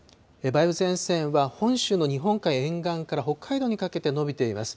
梅雨前線は、本州の日本海沿岸から北海道にかけて延びています。